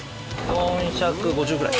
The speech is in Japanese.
４５０ぐらい。